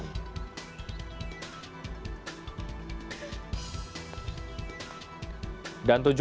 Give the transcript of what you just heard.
tiga anggota penusukan terjadi di jakarta selatan sementara dua anggota berjaga di sekitar lokasi tewas